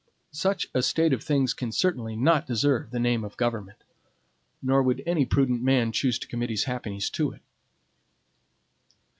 Such a state of things can certainly not deserve the name of government, nor would any prudent man choose to commit his happiness to it.